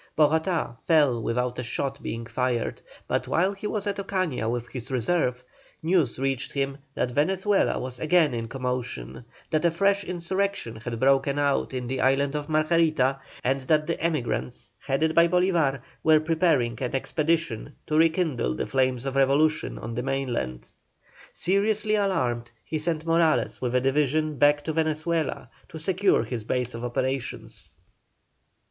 Bogotá fell without a shot being fired, but while he was at Ocaña with the reserve, news reached him that Venezuela was again in commotion, that a fresh insurrection had broken out in the island of Margarita, and that the emigrants, headed by Bolívar, were preparing an expedition to rekindle the flames of revolution on the mainland. Seriously alarmed, he sent Morales with a division back to Venezuela to secure his base of operations.